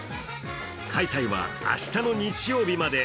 開催は明日の日曜日まで。